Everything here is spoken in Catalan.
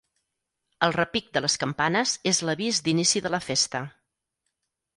El repic de les campanes és l'avís d'inici de la festa.